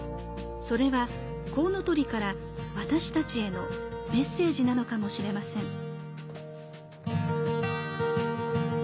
それはコウノトリから私たちへのメッセージなのかもしれません。